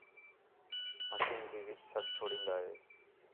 مشین تی وِچ سٹ چھوڑین٘دا ہِے